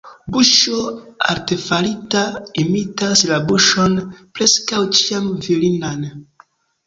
Buŝo artefarita imitas la buŝon, preskaŭ ĉiam virinan.